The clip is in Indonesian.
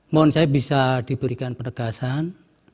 mohon saya bisa diberikan penegasan